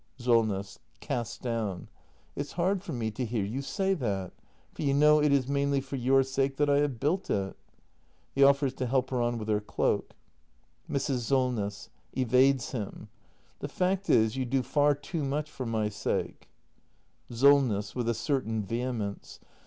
Solness. [Cast down.] It's hard for me to hear you say that; for you know it is mainly for your sake that I have built it. [He offers to help her on with her cloak. Mrs. Solness. [Evades him.] The fact is, you do far too much for my sake. Solness. [With a certain vehemence.